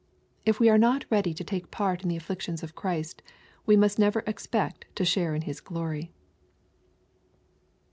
If we are not ready to take part in the afSictions of Christ, we must never expect to share His glory.